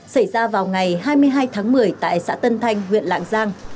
xảy ra vào ngày hai mươi hai tháng một mươi tại xã tân thanh huyện lạng giang